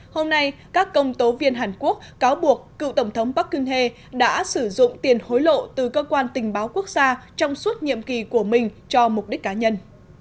hôm nay các công tố viên hàn quốc cáo buộc cựu tổng thống bắc kinh he đã sử dụng tiền hối lộ từ cơ quan tình báo quốc gia trong suốt nhiệm kỳ của mình cho mục đích cá nhân